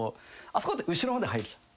あそこって後ろまで入るじゃん。